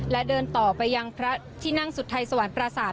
และเดินต่อไปยังที่นั่งสุดไทยสวรรค์ประสาท